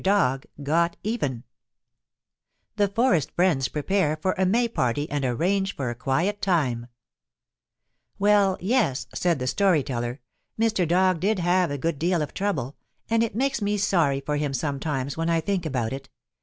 DOG GOT EVEN THE FOREST FRIENDS PREPARE FOR A MAY PARTY AND ARRANGE FOR A QUIET TIME Well, yes, said the Story Teller, Mr. Dog did have a good deal of trouble, and it makes me sorry for him sometimes when I think about it.